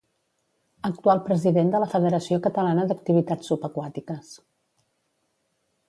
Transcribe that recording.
Actual president de la Federació Catalana d'Activitats Subaquàtiques.